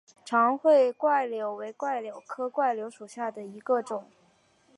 长穗柽柳为柽柳科柽柳属下的一个种。